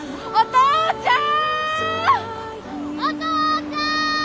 父ちゃん。